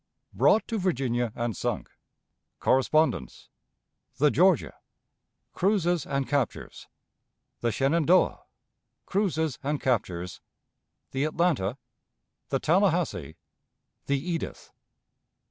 Brought to Virginia and sunk. Correspondence. The Georgia. Cruises and Captures. The Shenandoah. Cruises and Captures. The Atlanta. The Tallahassee. The Edith.